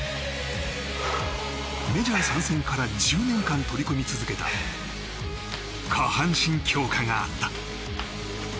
メジャー参戦から１０年間取り組み続けた下半身強化があった。